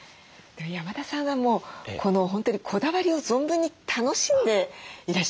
山田さんがもう本当にこだわりを存分に楽しんでいらっしゃいますね。